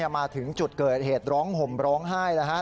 มาถึงจุดเกิดเหตุร้องห่มร้องไห้แล้วฮะ